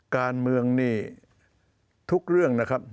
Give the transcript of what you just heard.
การเมืองนี่ทุกเรื่องนะครับ